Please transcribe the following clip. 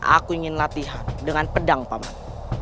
aku ingin latihan dengan pedang paman